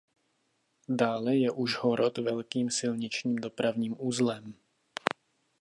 Dále je Užhorod velkým silničním dopravním uzlem.